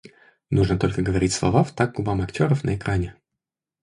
Нужно только говорить слова в такт губам актеров на экране.